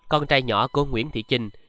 con trai nhỏ của nguyễn thị trinh